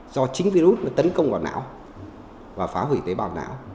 do chính virus tấn công vào não và phá hủy tế bào não